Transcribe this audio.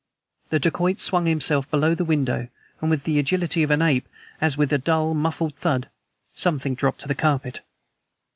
The dacoit swung himself below the window with the agility of an ape, as, with a dull, muffled thud, SOMETHING dropped upon the carpet!